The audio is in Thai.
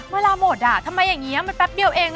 เวลาหมดอ่ะทำไมอย่างนี้มันแป๊บเดียวเอง